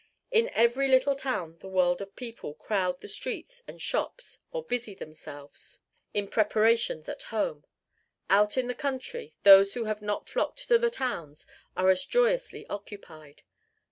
In every little town the world of people crowd the streets and shops or busy themselves in preparations at home: out in the country those who have not flocked to the towns are as joyously occupied.